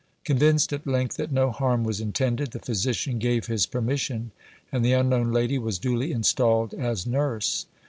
Convinced at length that no harm was intended, the physician gave his permission and the unknown lady was duly installed as nurse.